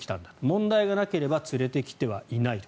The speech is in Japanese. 問題がなければ連れてきてはいないと。